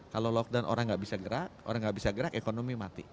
kalau lockdown orang nggak bisa gerak orang nggak bisa gerak ekonomi mati